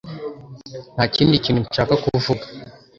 Nta kindi kintu nshaka kuvuga